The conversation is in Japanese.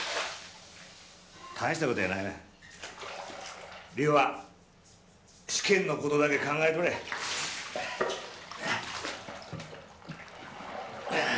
大したことやないわ梨央は試験のことだけ考えとれあ